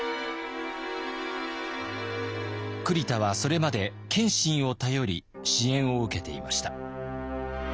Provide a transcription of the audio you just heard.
栗田はそれまで謙信を頼り支援を受けていました。